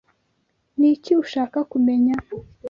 Niki ushaka kumenya?